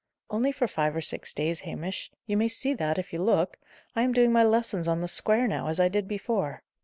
"Only for five or six days, Hamish. You may see that, if you look. I am doing my lessons on the square, now, as I did before."